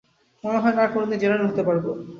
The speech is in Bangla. মনে হয়না আর কোনদিন জেনারেল হতে পারব।